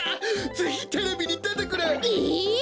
ぜひテレビにでてくれ。え！？